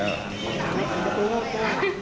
สั่งสำคัญ